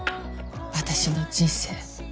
私の人生